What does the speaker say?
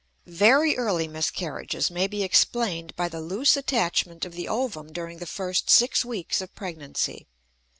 Very early miscarriages may be explained by the loose attachment of the ovum during the first six weeks of pregnancy.